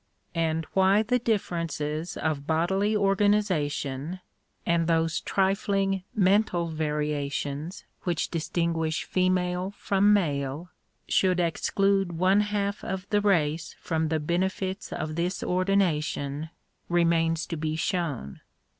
And why the differences of bodily or ganization, and those trifling mental variations which distin guish female from male, should exclude one half of the race from the benefits of this ordination, remains to be shown.